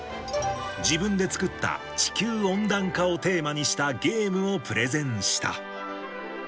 自分で作った地球温暖化をテーマにしたゲームをプレゼンした。